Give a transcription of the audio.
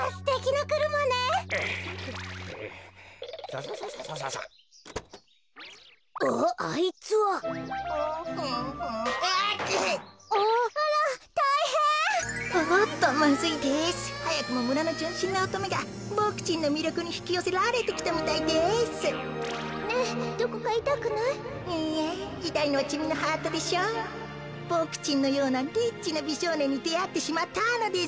こころのこえボクちんのようなリッチなびしょうねんにであってしまったのですから。